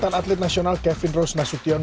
mantan atlet nasional kevin rose nasution